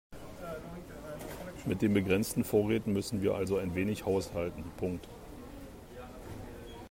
Mit den begrenzten Vorräten müssen wir also ein wenig haushalten.